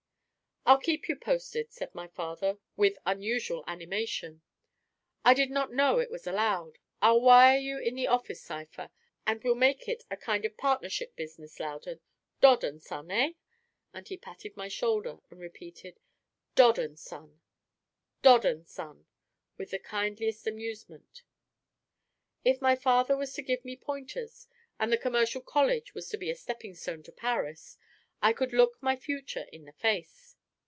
"I'll keep you posted," cried my father, with unusual animation; "I did not know it was allowed. I'll wire you in the office cipher, and we'll make it a kind of partnership business, Loudon: Dodd & Son, eh?" and he patted my shoulder and repeated, "Dodd & Son, Dodd & Son," with the kindliest amusement. If my father was to give me pointers, and the commercial college was to be a stepping stone to Paris, I could look my future in the face.